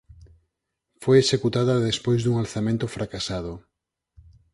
Foi executada despois dun alzamento fracasado.